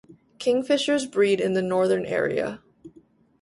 Kingfishers breed in the northern area.